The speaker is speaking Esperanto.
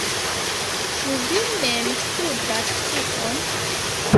Ĉu vi mem kudras tion?